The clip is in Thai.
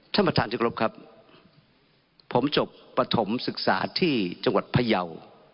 ท่านประธานจังหวัดพยาวครับผมจบประถมศึกษาที่จังหวัดพยาว